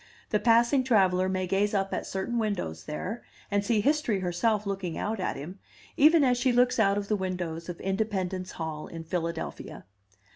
The passing traveller may gaze up at certain windows there, and see History herself looking out at him, even as she looks out of the windows of Independence Hall in Philadelphia.